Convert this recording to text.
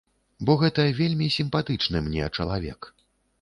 Бо гэта вельмі сімпатычны мне чалавек.